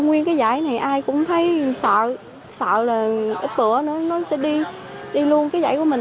nguyên cái giải này ai cũng thấy sợ sợ là ít bữa nữa nó sẽ đi luôn cái giải của mình